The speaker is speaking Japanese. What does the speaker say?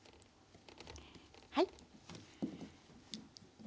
はい。